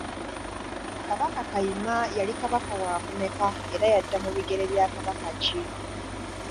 Kabaka Kayima yali Kabaka waakumeka era yadda mu bigere bya Kabaka ki?